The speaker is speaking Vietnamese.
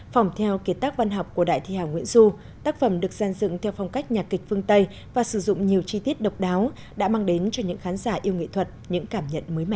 phòng theo kiệt tác văn học của đại thi hà nguyễn du tác phẩm được gian dựng theo phong cách nhạc kịch phương tây và sử dụng nhiều chi tiết độc đáo đã mang đến cho những khán giả yêu nghệ thuật những cảm nhận mới mẻ